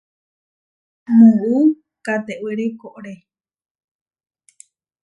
Muú katewére koʼré.